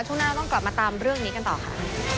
ช่วงหน้าต้องกลับมาตามเรื่องนี้กันต่อค่ะ